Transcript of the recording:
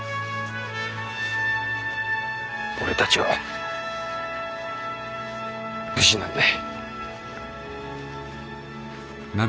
俺たちは武士なんだい。